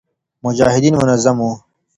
مجاهدین منظم و